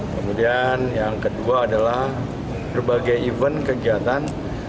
kemudian yang kedua adalah berbagai event kegiatan